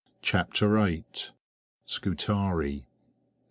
CHAPTER VIII. SCUTARI.